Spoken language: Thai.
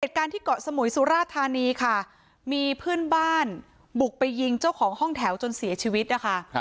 การที่เกาะสมุยสุราธานีค่ะมีเพื่อนบ้านบุกไปยิงเจ้าของห้องแถวจนเสียชีวิตนะคะ